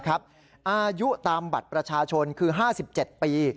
อายุตามบัตรประชาชนคือ๕๗ปี